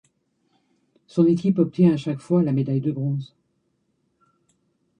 Son équipe obtient à chaque fois la médaille de bronze.